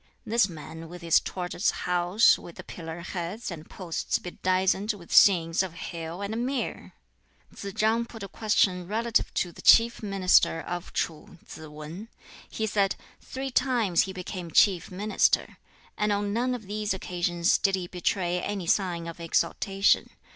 this man with his tortoise house, with the pillar heads and posts bedizened with scenes of hill and mere!" Tsz chang put a question relative to the chief Minister of Tsu, Tsz wan. He said, "Three times he became chief Minister, and on none of these occasions did he betray any sign of exultation.